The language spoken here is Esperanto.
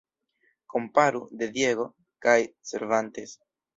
Komparu "De Diego" kaj "Cervantes".